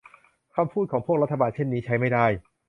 คำพูดของพวกรัฐบาลเช่นนี้ใช้ไม่ได้